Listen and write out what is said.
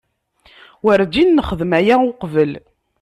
Werǧin nexdem aya uqbel.